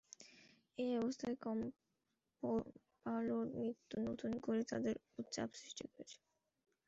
এমন অবস্থায় কোমপোলোর মৃত্যু নতুন করে তাদের ওপর চাপ সৃষ্টি করেছে।